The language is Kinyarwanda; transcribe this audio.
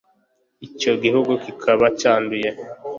icyo gihugu kikaba cyanduye